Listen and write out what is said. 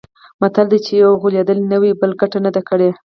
متل دی: چې یو غولېدلی نه وي، بل ګټه نه ده کړې.